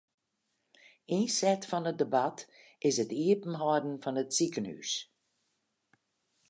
Ynset fan it debat is it iepenhâlden fan it sikehús.